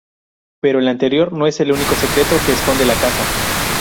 Pero el anterior no es el único secreto que esconde la casa.